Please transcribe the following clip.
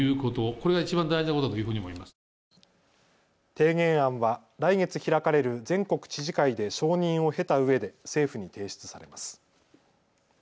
提言案は来月開かれる全国知事会で承認を経たうえで政府に提出されます。